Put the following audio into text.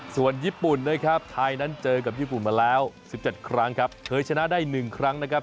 ส่วนญี่ปุ่นนะครับไทยนั้นเจอกับญี่ปุ่นมาแล้ว๑๗ครั้งครับเคยชนะได้๑ครั้งนะครับ